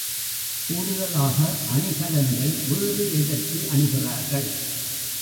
கூடுதலாக அணிகலன்கள் வேறு எதற்கு அணிகிறார்கள்?